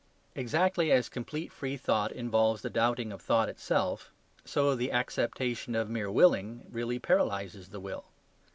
Exactly as complete free thought involves the doubting of thought itself, so the acceptation of mere "willing" really paralyzes the will.